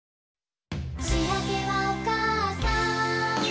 「しあげはおかあさん」